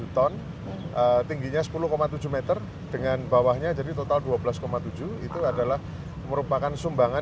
tujuh ton tingginya sepuluh tujuh meter dengan bawahnya jadi total dua belas tujuh itu adalah merupakan sumbangan